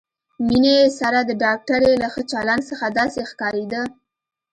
مينې سره د ډاکټرې له ښه چلند څخه داسې ښکارېده.